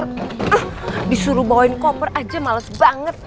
disuruh bawain koper aja males banget